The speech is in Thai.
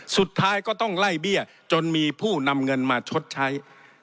สุดท้ายก็ต้องไล่เบี้ยจนมีผู้นำเงินมาชดใช้